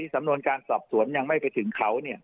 สำนวนการสอบสวนยังไม่ไปถึงเขา